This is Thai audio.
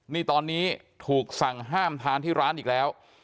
นี่ตอนนี้ถูกสั่งห้ามทานที่ร้านอีกแล้ว